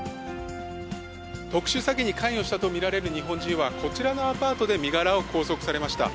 特殊詐欺に関与したと見られる日本人はこちらのアパートで身柄を拘束されました。